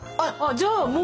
じゃあもう。